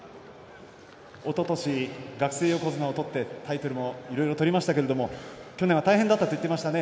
おととし学生横綱を取ってタイトルもいろいろ取りましたが去年は大変だったと言っていましたね。